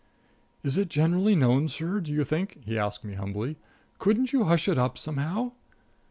"Is it generally known, sir, do you think?" he asked me humbly. "Can't you hush it up somehow?"